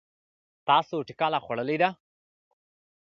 تاسې ټکله خوړلې ده؟